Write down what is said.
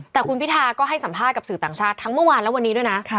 แต่คุณพิทาก็ให้สัมภาษณ์กับสื่อต่างชาติทั้งเมื่อวานและวันนี้ด้วยนะ